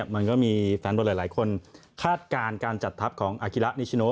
มันก็มีแฟนบอลหลายคนคาดการณ์การจัดทัพของอาคิระนิชโน